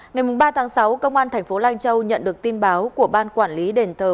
ngày ba tháng sáu công an thành phố lai châu nhận được tin báo của ban quản lý đền thờ